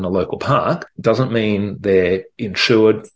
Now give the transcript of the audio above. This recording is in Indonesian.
dan selamat untuk anda